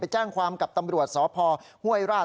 แจ้งความกับตำรวจสพห้วยราช